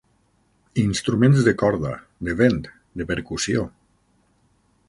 Instruments de corda, de vent, de percussió.